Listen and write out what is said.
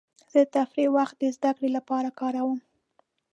زه د تفریح وخت د زدهکړې لپاره کاروم.